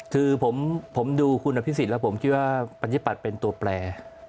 คือผมดูคุณพิสิทธิ์แล้วผมคิดว่าปฏิบัติเป็นตัวแปร